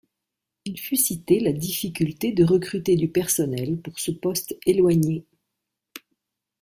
Il fut cité la difficulté de recruter du personnel pour ce poste éloigné.